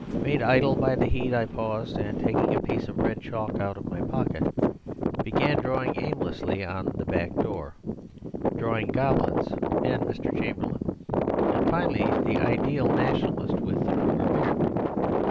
Made idle by the heat, I paused, and, taking a piece of red chalk out of my pocket, began drawing aimlessly on the back door drawing goblins and Mr. Chamberlain, and finally the ideal Nationalist with the Kruger beard.